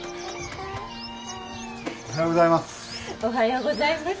おはようございます。